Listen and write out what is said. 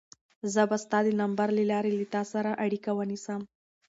زه به ستا د نمبر له لارې له تا سره اړیکه ونیسم.